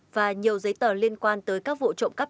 và nhiều giấy tờ liên quan tới các vụ trộm cắp